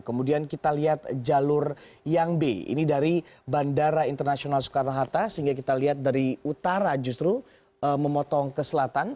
kemudian kita lihat jalur yang b ini dari bandara internasional soekarno hatta sehingga kita lihat dari utara justru memotong ke selatan